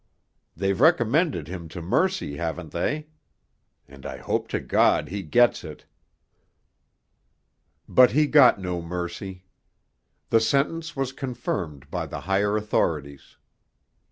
They've recommended him to mercy, haven't they? and I hope to God he gets it.' II But he got no mercy. The sentence was confirmed by the higher authorities.